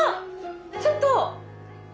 ちょっと！